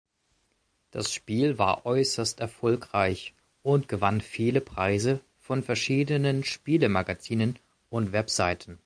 Das Spiel war äußerst erfolgreich und gewann viele Preise von verschiedenen Spiele-Magazinen und Webseiten.